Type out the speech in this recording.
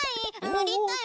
ぬりたい！